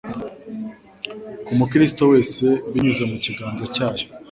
ku Mukristo wese. Binyuze mu kiganza cyayo,